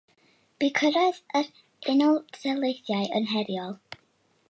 Bu cyrraedd yr Unol Daleithiau yn heriol.